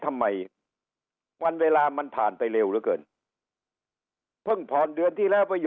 ทำไมวันเวลามันผ่านไปเร็วเหลือเกินเพิ่งผ่อนเดือนที่แล้วไป